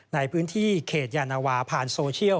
ในพื้นที่เขตยานวาผ่านโซเชียล